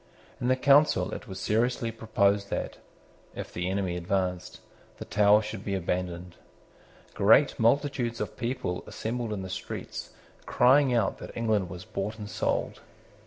In the Council it was seriously proposed that, if the enemy advanced, the Tower should be abandoned. Great multitudes of people assembled in the streets crying out that England was bought and sold.